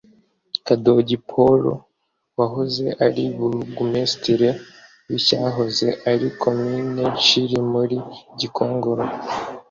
Kadogi Paul wahoze ari Burugumesitiri w’icyahoze ari Komini Nshili muri Gikongoro